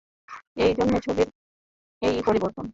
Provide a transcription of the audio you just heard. এই জন্যে ছবির এই পরিবর্তন।